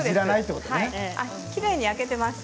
きれいに焼けています。